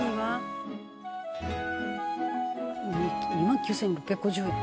「２万９６５０円」